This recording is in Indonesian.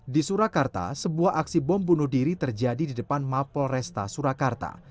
di surakarta sebuah aksi bom bunuh diri terjadi di depan mapol resta surakarta